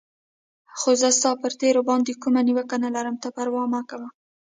خو زه ستا پر تېر باندې کومه نیوکه نه لرم، ته پروا مه کوه.